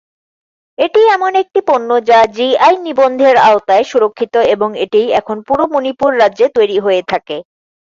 এটি এমন একটি পণ্য যা জিআই নিবন্ধের আওতায় সুরক্ষিত এবং এটি এখন পুরো মণিপুর রাজ্যে তৈরি হয়ে থাকে।